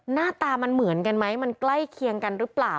หน้าตามันเหมือนกันไหมมันใกล้เคียงกันหรือเปล่า